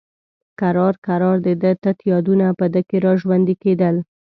کرار کرار د ده تت یادونه په ده کې را ژوندي کېدل.